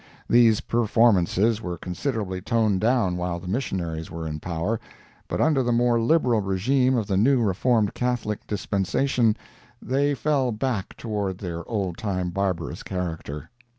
These performances were considerably toned down while the missionaries were in power, but under the more liberal regime of the new Reformed Catholic dispensation they fell back toward their old time barbarous character.